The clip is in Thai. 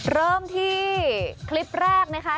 เริ่มที่คลิปแรกนะคะ